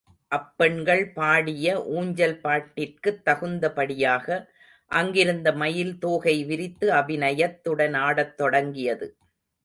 அப்பெண்கள் பாடிய ஊஞ்சல் பாட்டிற்குத் தகுந்தபடியாக அங்கிருந்த மயில் தோகை விரித்து அபிநயத்துடன் ஆடத்தொடங்கியது.